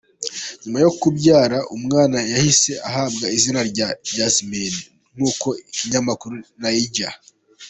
Nyuma yo kubyara, umwana yahise ahabwa izina rya Jasmine nk’uko ikinyamakuru Naija.